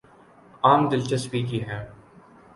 عام دلچسپی کی ہیں